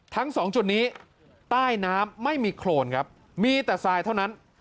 ทั้งสองจุดนี้ใต้น้ำไม่มีโครนครับมีแต่ทรายเท่านั้น